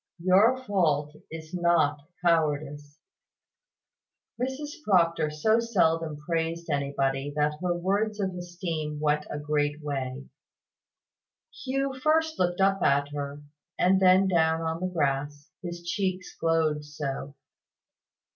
Your fault is not cowardice " Mrs Proctor so seldom praised anybody that her words of esteem went a great way. Hugh first looked up at her, and then down on the grass, his cheeks glowed so.